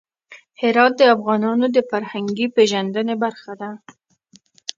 هرات د افغانانو د فرهنګي پیژندنې برخه ده.